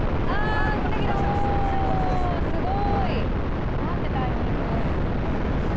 すごーい、なんてタイミング。